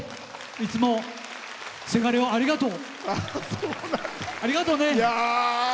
いつもせがれをありがとう。